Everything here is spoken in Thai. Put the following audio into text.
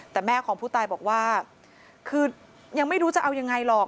แต่แม่ของผู้ตายบอกว่าคือยังไม่รู้จะเอายังไงหรอก